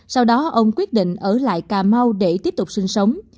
sau đó ông quyết định ở lại cà mau để tiếp tục sinh sống